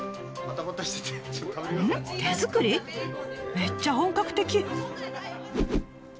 めっちゃ本格的！